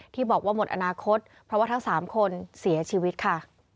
ที่บอกว่าหมดอนาคตเพราะว่าทั้ง๓คนเสียชีวิตค่ะ